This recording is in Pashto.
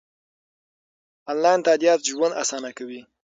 انلاین تادیات ژوند اسانه کوي.